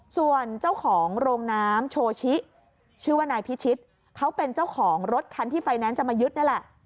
ส่วนเจ้าของโรงน้ำโชชิชื่อว่านายพิชิตเขาเป็นเจ้าของรถคันที่ไฟแนนซ์จะมายึดนี่แหละ